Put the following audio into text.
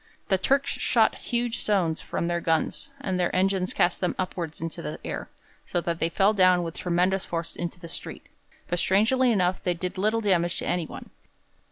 The Turks shot huge stones from their guns, and their engines cast them upwards into the air, so that they fell down with tremendous force into the street, but strangely enough they did little damage to anyone.